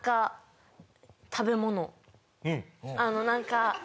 あの何か。